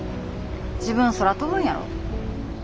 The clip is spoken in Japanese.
自分空飛ぶんやろ？